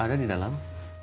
ada di dalam